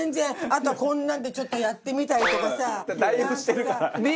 あとはこんなんでちょっとやってみたりとかさ。